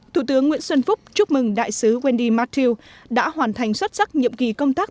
thủ tướng nguyễn xuân phúc chúc mừng đại sứ wendy matthew đã hoàn thành xuất sắc nhiệm kỳ công tác